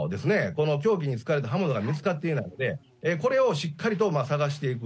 この凶器に使われた刃物が見つかっていないので、これをしっかりと捜していく。